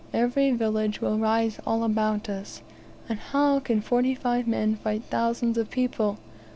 Every village will rise all about us, and how can forty five men fight thousands of people?